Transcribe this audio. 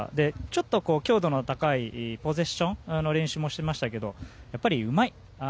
ちょっと強度の高いポゼッションの練習もしてましたけどもやっぱり、うまい。